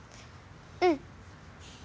うん。